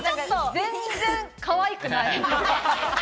全然かわいくない。